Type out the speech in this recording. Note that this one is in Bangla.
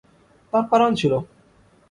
তার কারণ ছিল।